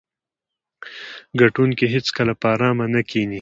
ګټونکي هیڅکله په ارامه نه کیني.